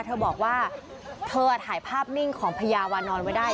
เธอบอกว่าเธอถ่ายภาพนิ่งของพญาวานอนไว้ได้